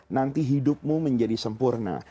nanti hidupmu menjadi sempurna